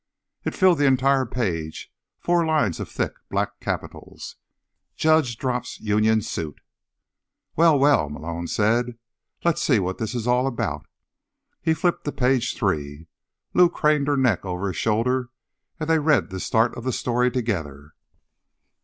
It filled the entire page, four lines of thick black capitals: JUDGE DROPS UNION SUIT! "Well, well," Malone said. "Let's see what this is all about." He flipped to page three. Lou craned her neck over his shoulder and they read the start of the story together.